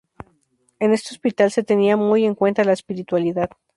En este hospital se tenía muy en cuenta la espiritualidad.